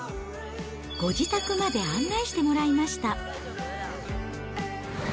ご自宅まで案内してもらいました。